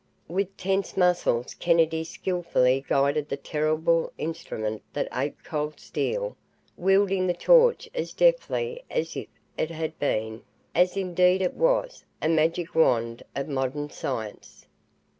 With tense muscles Kennedy skillfully guided the terrible instrument that ate cold steel, wielding the torch as deftly as if it had been, as indeed it was, a magic wand of modern science.